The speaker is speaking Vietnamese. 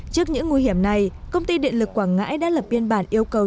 trước những nguy hiểm này công ty điện lực quảng ngãi đã lập biên bản yêu cầu